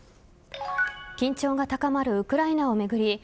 緊張が高まるウクライナを巡り